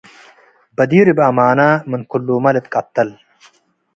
በዲር አብ ኣምነ - ምን ክሉመ ልትቀተል